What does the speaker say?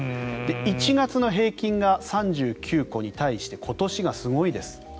１月の平均が３９個に対して今年がすごいです。